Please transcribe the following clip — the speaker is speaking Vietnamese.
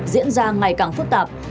diễn ra ngày càng phức tạp